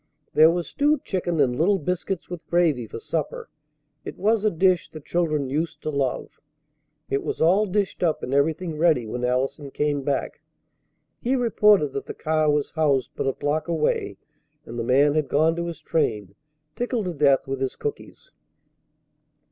There was stewed chicken and little biscuits with gravy for supper. It was a dish the children used to love. It was all dished up and everything ready when Allison came back. He reported that the car was housed but a block away, and the man had gone to his train, tickled to death with his cookies.